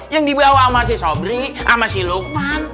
yang dibawa sama si sobri sama si lukman